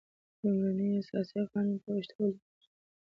لومړنی اساسي قانون په پښتو ولیکل شول.